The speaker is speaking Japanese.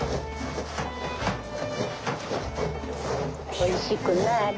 おいしくなれ！